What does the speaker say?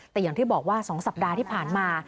แต่อย่างที่บอกว่า๒สัปดาห์ที่ผ่านมา